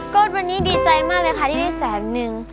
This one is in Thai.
กดบันนี้ดีใจมากเลยและค่ะที่ได้นหนึ่ง